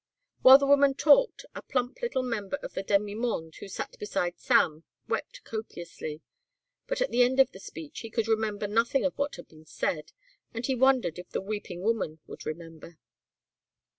While the woman talked a plump little member of the demi monde who sat beside Sam wept copiously, but at the end of the speech he could remember nothing of what had been said and he wondered if the weeping woman would remember.